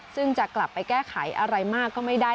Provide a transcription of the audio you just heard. ซึ่งจะกลับไปแก้ไขอะไรมากก็ไม่ได้